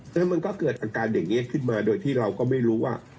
แล้วมันก็เกิดอาการอย่างนี้ขึ้นมาโดยที่เราก็ไม่รู้ว่า